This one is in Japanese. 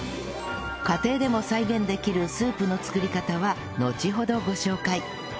家庭でも再現できるスープの作り方はのちほどご紹介